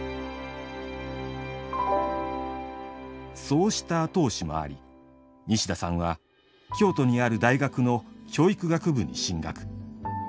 そうした後押しもあり西田さんは京都にある大学の教育学部に進学。